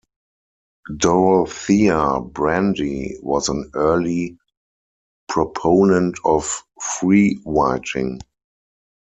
Dorothea Brande was an early proponent of freewriting.